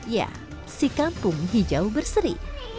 ya si kampung hijau berseri